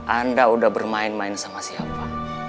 anda udah bermain main sama siapa